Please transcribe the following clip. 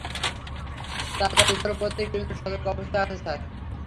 তাড়াতাড়ি করো প্রত্যেক ইউনিট সর্তক অবস্থানে আছে স্যার।